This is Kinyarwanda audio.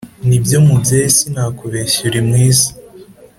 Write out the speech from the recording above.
nibyo mubyeyi sinakubeshya uri mwiza